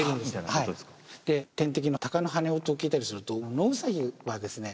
はいで天敵のタカの羽音を聞いたりすると野ウサギはですね